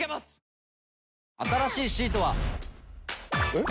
えっ？